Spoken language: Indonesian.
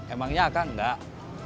emangnya akan enggak